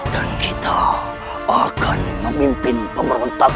dan kita akan memimpin pemerintahan